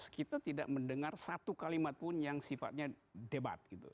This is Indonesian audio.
kita tidak mendengar satu kalimat pun yang sifatnya debat gitu